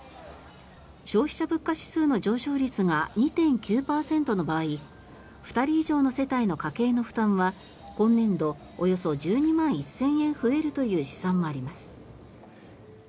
消費者物価指数の上昇率が２．９％の場合２人以上の世帯の家計の負担は今年度およそ１２万１０００円増えるという試算もあります。